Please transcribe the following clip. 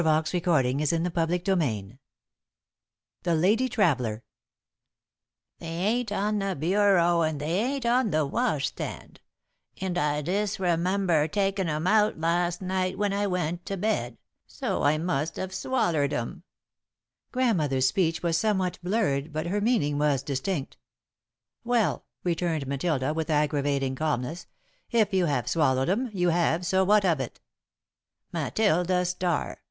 XX "The Lady Traveller" [Sidenote: Grandmother's Loss] "They ain't on the bureau and they ain't on the washstand, and I disremember takin' 'em out last night when I went to bed, so I must have swallered 'em." Grandmother's speech was somewhat blurred but her meaning was distinct. "Well," returned Matilda, with aggravating calmness, "if you have swallowed 'em, you have, so what of it?" "Matilda Starr!